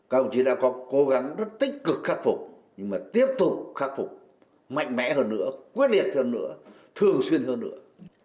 các ông chí đã có cố gắng rất tích cực khắc phục nhưng mà tiếp tục khắc phục mạnh mẽ hơn nữa quyết liệt hơn nữa thường xuyên hơn nữa